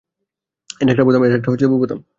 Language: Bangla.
এটা একটা বোতাম।